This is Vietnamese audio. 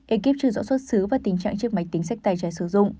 ekip chưa rõ xuất xứ và tình trạng chiếc máy tính sách tay trái sử dụng